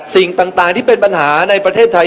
สิ่งต่างที่เป็นปัญหาในประเทศไทย